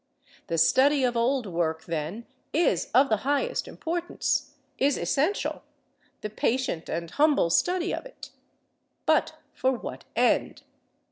The study of old work, then, is of the highest importance, is essential; the patient and humble study of it. But for what end?